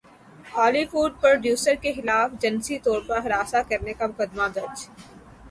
Holi would producer کےخلاف جنسی طور پر ہراساں کرنے کا مقدمہ درج